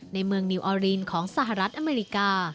ในเมืองนิวออรินของสหรัฐอเมริกา